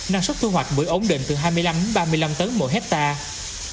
năng suất thu hoạch bưởi ổn định từ hai mươi năm đến ba mươi năm tấn mỗi hectare